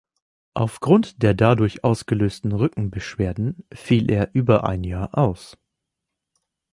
Aufgrund der dadurch ausgelösten Rückenbeschwerden fiel er über ein Jahr aus.